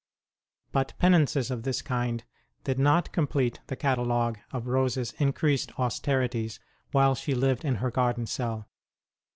But penances of this kind did not complete the catalogue of Rose s increased austerities while she lived in her garden cell.